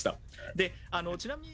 でちなみに。